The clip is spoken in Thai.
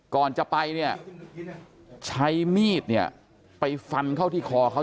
ก่อนจะไปเนี่ยใช้มีดเนี่ยไปฟันเข้าที่คอเขา